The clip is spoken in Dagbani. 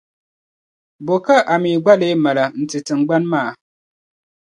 Bo ka a mii gba leei mali n-ti tiŋgbani maa?